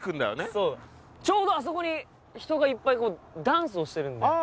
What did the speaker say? そうちょうどあそこに人がいっぱいこうダンスをしてるんでああ